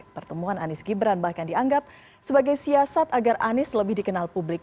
pertemuan anies gibran bahkan dianggap sebagai siasat agar anies lebih dikenal publik